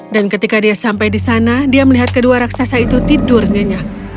dan ketika dia sampai di sana dia melihat kedua raksasa itu tidur nyenyak